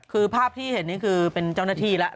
คือภาพที่เห็นนี่คือเป็นเจ้าหน้าที่แล้ว